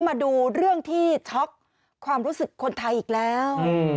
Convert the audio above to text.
มาดูเรื่องที่ช็อกความรู้สึกคนไทยอีกแล้ว